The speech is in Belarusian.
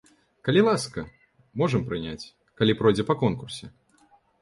Калі ласка, можам прыняць, калі пройдзе па конкурсе.